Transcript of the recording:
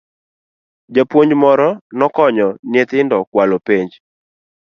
Japuonj moro nokonyo nyithindo kwalo penj